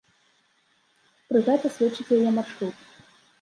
Пры гэта сведчыць яе маршрут.